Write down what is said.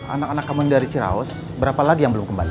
anak anak kamu dari ciraus berapa lagi yang belum kembali